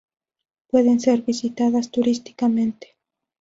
Pueden ser visitadas turísticamente.